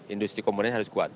industri komponen harus kuat